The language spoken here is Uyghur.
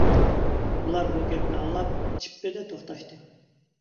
ئۇلار بۇ گەپنى ئاڭلاپ چىپپىدە توختاشتى.